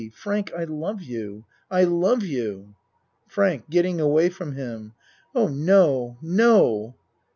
Frank, I love you. I love you. FRANK (Getting away from him.) Oh, no, no.